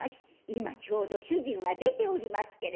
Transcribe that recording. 今ちょうど主人は出ておりますけれど。